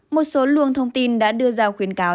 một số luồng thông tin đã đưa ra khuyến cáo